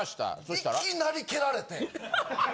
いきなり蹴られて。